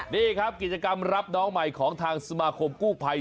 นี่ครับกิจกรรมรับน้องใหม่ของทางสมาคมกู้ภัย